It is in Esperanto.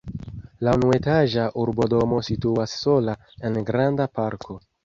La unuetaĝa urbodomo situas sola en granda parko.